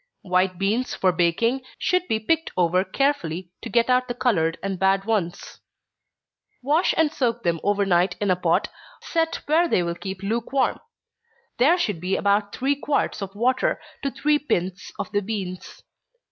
White beans for baking, should be picked over carefully to get out the colored and bad ones. Wash and soak them over night in a pot, set where they will keep lukewarm. There should be about three quarts of water to three pints of the beans.